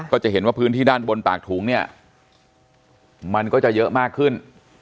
จะเห็นว่าพื้นที่ด้านบนปากถุงเนี่ยมันก็จะเยอะมากขึ้น